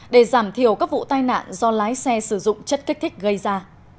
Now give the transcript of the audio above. để giảm thiểu các vụ tai nạn do lái xe sử dụng chất kích thích gây ra